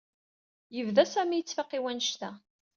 Yebda Sami yettfaq i wannect-a.